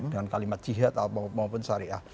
dengan kalimat jihad maupun syariah